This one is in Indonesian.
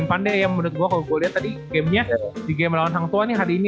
yang pandai menurut gua kalo gua liat tadi gamenya di game lawan sang tua hari ini